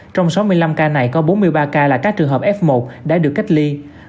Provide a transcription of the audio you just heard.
trong sáu mươi năm ca này có bốn mươi ba ca là các trường hợp f một đã được cách ly